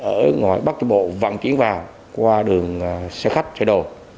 ở ngoài bắc châu bộ vận chuyển vào qua đường xe khách chạy đồ